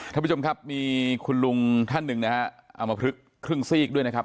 ท่านผู้ชมครับมีคุณลุงท่านหนึ่งนะฮะเอามาพลึกครึ่งซีกด้วยนะครับ